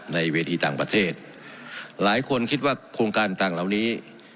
ในเวทีต่างประเทศหลายคนคิดว่าโครงการต่างเหล่านี้